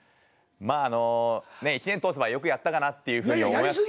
まああのねっ１年通せばよくやったかなっていうふうに思いますし。